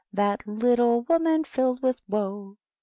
That little womun filled with woe.